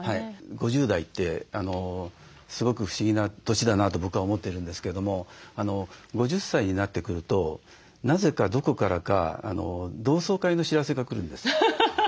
５０代ってすごく不思議な年だなと僕は思ってるんですけれども５０歳になってくるとなぜかどこからか同窓会の知らせが来るんです。